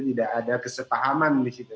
tidak ada kesepahaman disitu